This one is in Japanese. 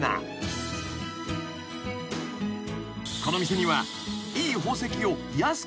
［この店には］